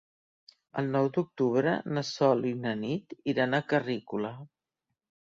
El nou d'octubre na Sol i na Nit iran a Carrícola.